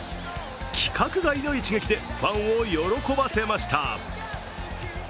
規格外の一撃でファンを喜ばせました。